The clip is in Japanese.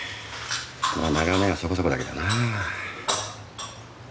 まあ眺めはそこそこだけどなあ